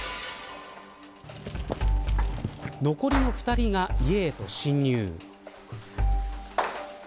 残りの２人が家へと侵入。